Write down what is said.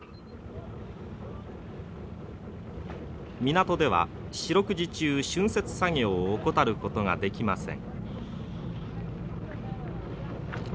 港では四六時中浚渫作業を怠ることができません。